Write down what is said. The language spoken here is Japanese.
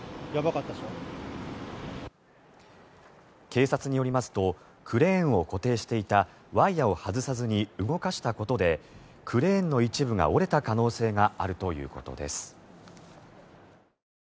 警察によりますとクレーンを固定していたワイヤを外さずに動かしたことでクレーンの一部が折れた可能性があるということです。